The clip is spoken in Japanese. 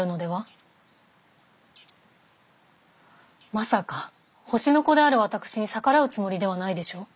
まさか星の子である私に逆らうつもりではないでしょう？